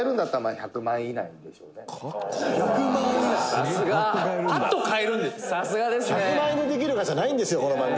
塙：「１００万円でできるかなじゃないんですよ、この番組」